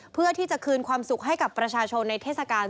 เพื่อที่จะคืนความสุขให้กับประชาชนในเทศกาล